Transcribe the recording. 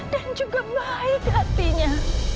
dan juga baik hatinya